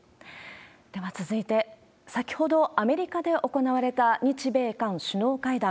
では続いて、先ほどアメリカで行われた日米韓首脳会談。